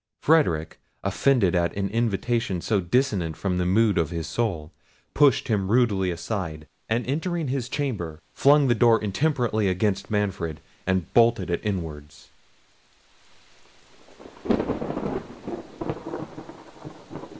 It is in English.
Frederic, offended at an invitation so dissonant from the mood of his soul, pushed him rudely aside, and entering his chamber, flung the door intemperately against Manfred, and bolted it inwards.